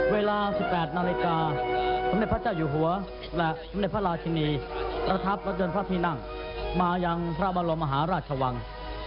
เวลาสิบแปดนาฬิกาสำเร็จพระเจ้าอยู่หัวและสำเร็จพระราชินีและทัพพระจนภพรีนั่งมายังพระบัลโลมหาราชวัง